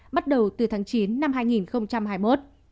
bắt đầu từ tháng chín năm hai nghìn hai mươi một